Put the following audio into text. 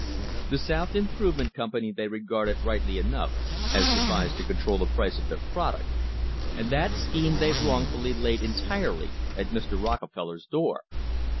The South Improvement Company they regarded rightly enough as devised to control the price of their product, and that scheme they wrongfully laid entirely at Mr. Rockefeller's door.